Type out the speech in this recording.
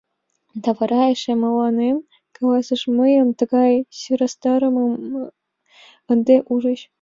Да вара эше мыланем каласыш — «Мыйым «тыгай сӧрастарымым» ынде ужыч».